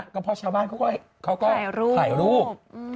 ก็พ่อชาวบ้านเขาก็ไหลลูก